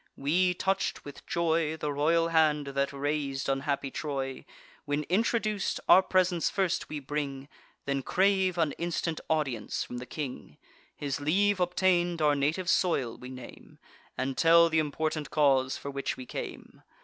We touch'd, with joy, The royal hand that raz'd unhappy Troy. When introduc'd, our presents first we bring, Then crave an instant audience from the king. His leave obtain'd, our native soil we name, And tell th' important cause for which we came.